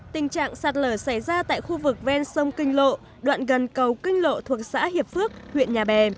tình trạng sạt lở xảy ra tại khu vực ven sông kinh lộ đoạn gần cầu kinh lộ thuộc xã hiệp phước huyện nhà bè